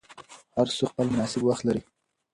هر څه خپل مناسب وخت لري